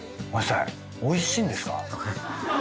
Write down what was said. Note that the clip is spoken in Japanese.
おいしいんですか？